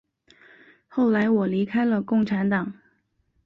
后来我离开了共产党。